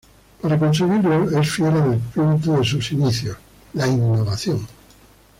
Para conseguirlo, es fiel al espíritu de sus inicios: la innovación.